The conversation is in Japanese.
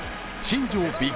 新庄